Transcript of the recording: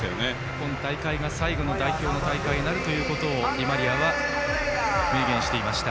今大会が最後の代表の大会になるとディマリアは明言していました。